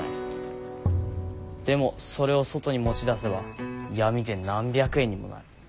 でもそれを外に持ち出せば闇で何百円にもなる。